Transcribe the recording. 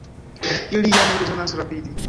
Ili ja ne bezonas rapidi.